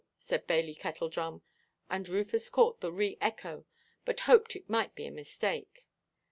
said Bailey Kettledrum, and Rufus caught the re–echo, but hoped it might be a mistake.